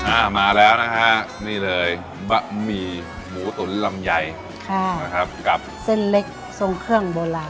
อ่ามาแล้วนะฮะนี่เลยบะหมี่หมูตุ๋นลำไยค่ะนะครับกับเส้นเล็กทรงเครื่องโบราณ